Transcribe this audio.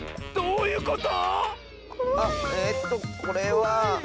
どういうこと⁉あっえとこれは。